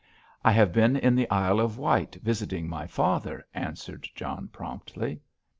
"I have been in the Isle of Wight visiting my father," answered John promptly.